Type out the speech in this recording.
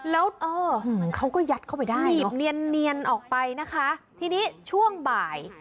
แล้วเออเขาก็ยัดเข้าไปได้หนีบเนียนเนียนออกไปนะคะทีนี้ช่วงบ่าย